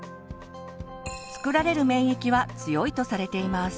作られる免疫は強いとされています。